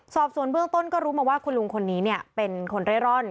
สอบส่วนเบื้องต้นก็รู้มาว่าคุณลุงคนนี้เป็นคนเร่ร่อน